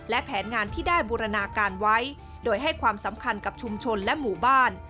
และแผนงานที่ได้บูรณาการไว้โดยให้ความสำคัญกับชุมชนและหมู่บ้าน